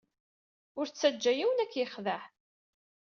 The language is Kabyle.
Ur ttaǧǧa yiwen ad k-yexdeɛ.